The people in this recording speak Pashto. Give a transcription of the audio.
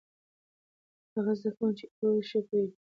هغه زده کوونکی چې اوري، ښه پوهېږي.